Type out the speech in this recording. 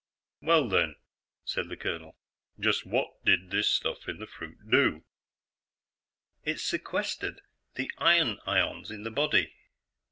"Well, then," said the colonel, "just what did this stuff in the fruit do?" "It sequestered the iron ions in the body.